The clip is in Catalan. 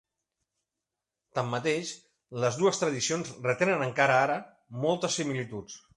Tanmateix, les dues tradicions retenen encara ara moltes similituds.